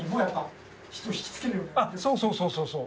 そうそうそうそうそう。